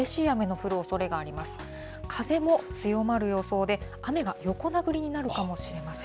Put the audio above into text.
風も強まる予想で、雨が横殴りになるかもしれません。